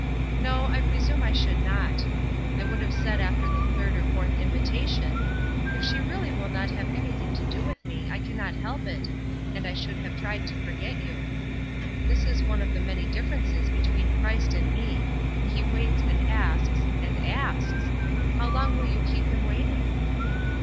"No, I presume I should not. I would have said after the third or fourth invitation, 'If she really will not have anything to do with me I cannot help it,' and I should have tried to forget you. This is one of the many differences between Christ and me. He waits, and asks, and asks. How long will you keep Him waiting?"